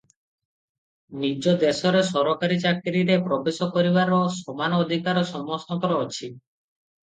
ନିଜ ଦେଶରେ ସରକାରୀ ଚାକିରୀରେ ପ୍ରବେଶ କରିବାର ସମାନ ଅଧିକାର ସମସ୍ତଙ୍କର ଅଛି ।